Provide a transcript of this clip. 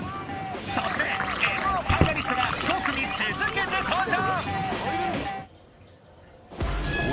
そしてＭ−１ファイナリストが５組続けて登場！